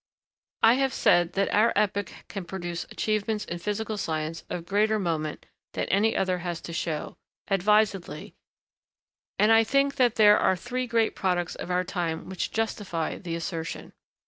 ] I have said that our epoch can produce achievements in physical science of greater moment than any other has to show, advisedly; and I think that there are three great products of our time which justify the assertion.